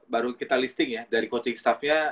baru kita listing ya dari coaching staffnya